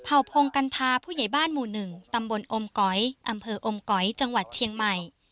พงกัณฑาผู้ใหญ่บ้านหมู่๑ตำบลอมก๋อยอำเภออมก๋อยจังหวัดเชียงใหม่